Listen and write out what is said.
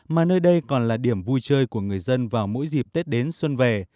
mà nơi đây còn là điểm vui chơi của người dân vào mỗi dịp tết đến xuân về